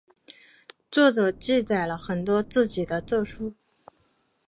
作者记载了很多自己的奏疏。